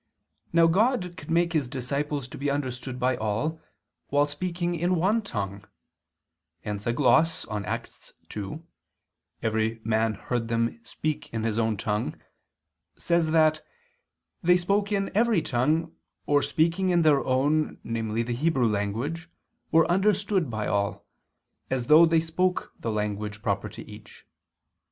Now God could make His disciples to be understood by all, while speaking one tongue: hence a gloss on Acts 2:6, "Every man heard them speak in his own tongue," says that "they spoke in every tongue, or speaking in their own, namely the Hebrew language, were understood by all, as though they spoke the language proper to each."